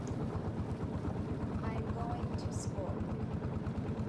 I'm going to school.